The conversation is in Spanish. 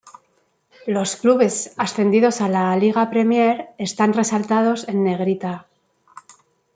Los clubes ascendidos a la Liga Premier están resaltados en negrita.